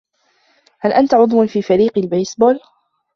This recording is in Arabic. هل أنت عضو في فريق البيسبول؟